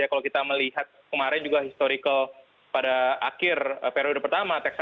kalau kita melihat kemarin juga historical pada akhir periode pertama